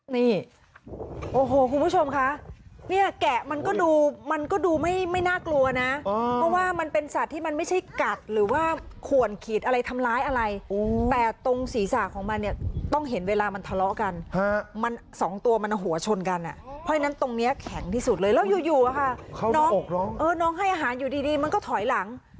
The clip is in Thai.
นี่โอ้โหคุณผู้ชมคะเนี่ยแกะมันก็ดูมันก็ดูไม่น่ากลัวนะเพราะว่ามันเป็นสัตว์ที่มันไม่ใช่กัดหรือว่าขวนขีดอะไรทำร้ายอะไรแต่ตรงศีรษะของมันเนี่ยต้องเห็นเวลามันทะเลาะกันมันสองตัวมันหัวชนกันอ่ะเพราะฉะนั้นตรงนี้แข็งที่สุดเลยแล้วอยู่อะค่ะน้องให้อาหารอยู่ดีมันก็ถอยหลัง